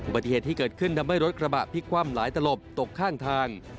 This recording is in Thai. ปฏิเหตุที่เกิดขึ้นทำให้รถกระบะพลิกคว่ำหลายตลบตกข้างทาง